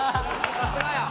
さすがや！